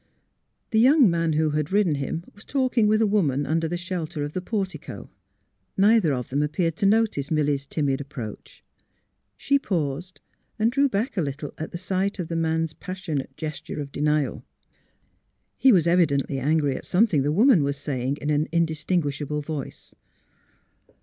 The young man who had ridden him was talking with a woman under the shelter of the portico. Neither of them ap peared to notice Milly 's timid approach. She paused and drew back a little at sight of the man's passionate gesture of denial. He was evidently angry at something the woman was saying in an indistinguishable voice.